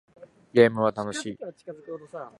ゲームは楽しい